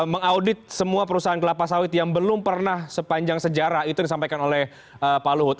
mengaudit semua perusahaan kelapa sawit yang belum pernah sepanjang sejarah itu disampaikan oleh pak luhut